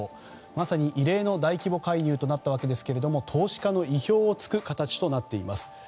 まさに異例の大規模介入となったわけですが投資家の意表を突く形となっています。